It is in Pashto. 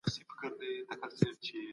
هيله تر ناهيلۍ ښه ده.